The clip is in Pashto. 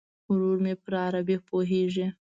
ورور مې پر عربي پوهیږي.